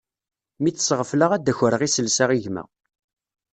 Mi tt-sɣefleɣ ad d-akreɣ iselsa i gma.